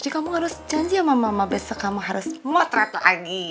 kamu harus janji sama mama besok kamu harus motret lagi